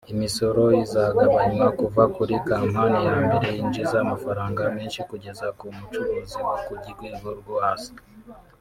Imisoro izagabanwa kuva kuri kampani ya mbere yinjiza amafaranga menshi kugeza ku mucuruzi wo ku rwego rwo hasi